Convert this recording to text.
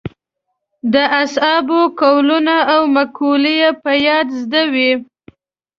د اصحابو قولونه او مقولې یې په یاد زده وې.